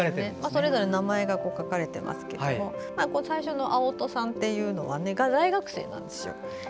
それぞれ名前が書かれていますが最初の青戸さんというのは大学生なんです。